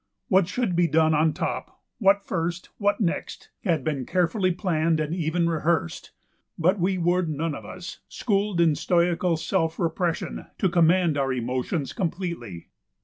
What should be done on top, what first, what next, had been carefully planned and even rehearsed, but we were none of us schooled in stoical self repression to command our emotions completely.